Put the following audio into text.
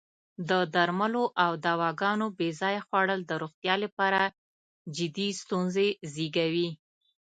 د درملو او دواګانو بې ځایه خوړل د روغتیا لپاره جدی ستونزې زېږوی.